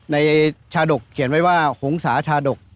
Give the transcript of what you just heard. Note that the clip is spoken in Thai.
ในชาดกเขียนไว้ว่าหงษาชาดก